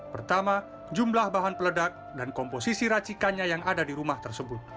pertama jumlah bahan peledak dan komposisi racikannya yang ada di rumah tersebut